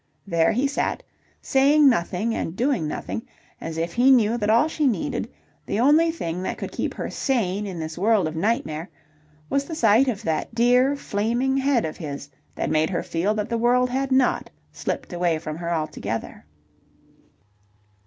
There he sat, saying nothing and doing nothing, as if he knew that all she needed, the only thing that could keep her sane in this world of nightmare, was the sight of that dear, flaming head of his that made her feel that the world had not slipped away from her altogether.